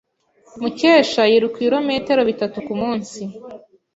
Mukesha yiruka ibirometero bitatu kumunsi.